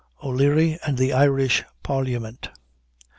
O'LEARY AND THE IRISH PARLIAMENT.